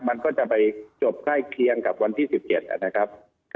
มันก็จะไปจบใกล้เคียงกับวันที่๑๗นะครับ